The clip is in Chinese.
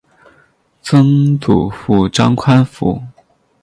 曾祖父张宽甫。